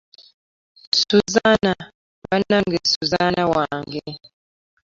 Suzaana banange suzaana wange .